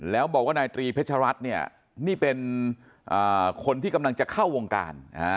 แล้วบอกว่านายตรีเพชรัตน์เนี่ยนี่เป็นคนที่กำลังจะเข้าวงการ